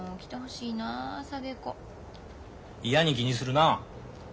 いやに気にするな。